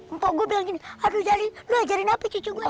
empok gua bilang gini aduh jali lu ajarin apa cucung gua